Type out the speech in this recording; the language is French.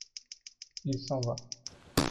il s'en va.